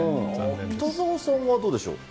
北澤さんはどうでしょう？